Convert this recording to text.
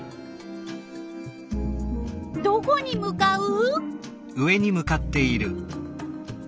どこに向かう？